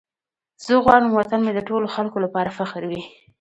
زه غواړم وطن مې د ټولو خلکو لپاره فخر وي.